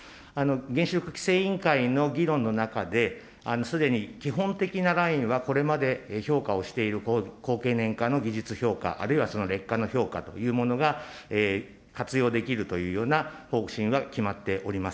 原子力規制委員会の議論の中で、すでに基本的なラインは、これまで評価をしている、高経年化の技術評価、あるいはその劣化の評価というものが、活用できるというような方針は決まっております。